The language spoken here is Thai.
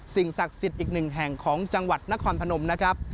ศักดิ์สิทธิ์อีกหนึ่งแห่งของจังหวัดนครพนมนะครับ